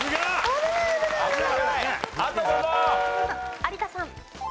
有田さん。